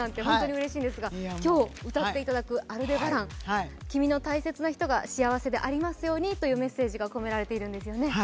本当にうれしいんですが今日歌っていただく「アルデバラン」君の大切な人が幸せでありますようにというメッセージが込められているんですよね。